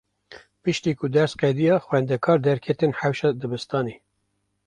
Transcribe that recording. Piştî ku ders qediya, xwendekar derketin hewşa dibistanê.